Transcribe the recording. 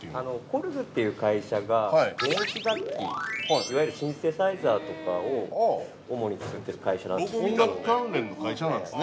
◆コルグという会社が、電子楽器いわゆるシンセサイザーとかを主に作っている会社なんです。